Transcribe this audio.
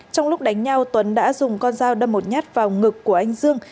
trong lúc đánh nhau tuấn đã dùng con dao đâm một nhát vào ngực của anh dương